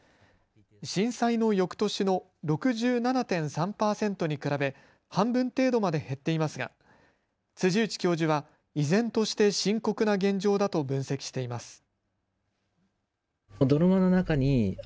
震災のよくとしの６７．３％に比べ半分程度まで減っていますが辻内教授は依然として深刻な現状だと分析しています。